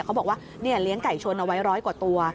เขาบอกว่าเลี้ยงไก่ชนเอาไว้ร้อยกว่าตัว